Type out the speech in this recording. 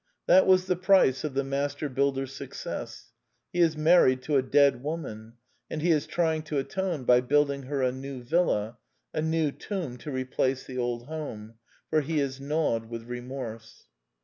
That was the price of the master builder's success. He is married to a dead woman; and he is trying to atone by building her a new villa : a new tomb to replace the old home; for he is gnawed with remorse.